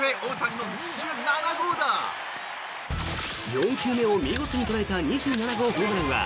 ４球目を見事に捉えた２７号ホームランは